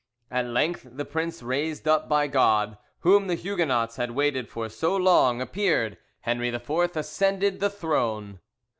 At length the prince raised up by God, whom the Huguenots had waited for so long, appeared; Henri IV ascended the, throne.